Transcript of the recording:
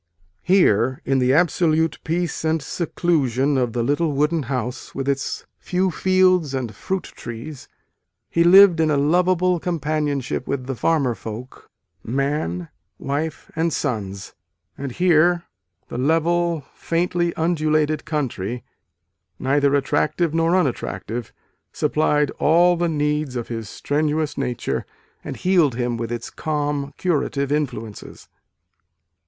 Here, in the absolute peace and seclusion of the little wooden house, with its few fields and fruit trees, he lived in lovable companionship with the farmer folk, man, wife and sons : and here, the level, faintly undulated country, " neither attractive nor unattractive," supplied all the needs of his strenuous nature and healed him with its calm, curative influences.